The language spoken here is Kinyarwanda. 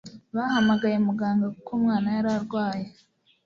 Bahamagaye muganga kuko umwana yari arwaye.